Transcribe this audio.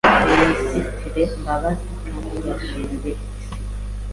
Minisitiri Mbabazi kandi yashimiye Isibo